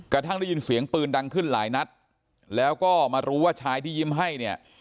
ได้ยินเสียงปืนดังขึ้นหลายนัดแล้วก็มารู้ว่าชายที่ยิ้มให้เนี่ย